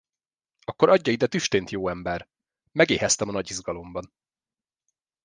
Akkor adja ide tüstént, jó ember! Megéheztem a nagy izgalomban.